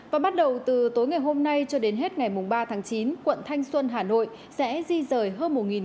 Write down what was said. và bắt đầu từ tối ngày hôm nay cho đến hết ngày ba tháng chín quận thanh xuân hà nội sẽ di rời hơn một người